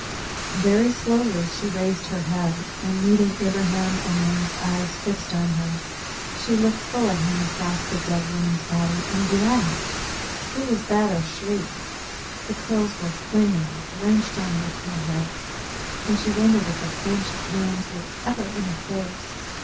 Very slowly she raised her head, and, meeting Ibraheim Omair's eyes fixed on her, she looked full at him across the dead woman's body and laughed! It was that or shriek. The curls were clinging drenched on her forehead, and she wondered if her clenched hands would ever unclose.